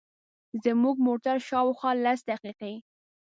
زموږ موټر شاوخوا لس دقیقې.